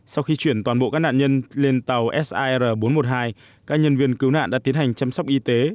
sau khi chuyển toàn bộ các nạn nhân lên tàu sir bốn trăm một mươi hai các nhân viên cứu nạn đã tiến hành chăm sóc y tế